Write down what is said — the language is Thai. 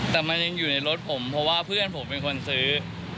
แต่มันยังอยู่ในรถผมเพราะว่าเพื่อนผมเป็นคนซื้อ